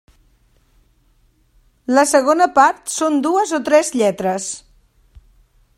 La segona part són dues o tres lletres.